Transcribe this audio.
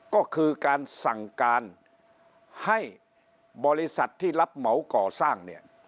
ก็คือการสั่งการให้บริษัทที่รับเหมาก่อสร้างเนี่ย